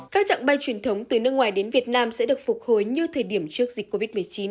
các trạng bay truyền thống từ nước ngoài đến việt nam sẽ được phục hồi như thời điểm trước dịch covid một mươi chín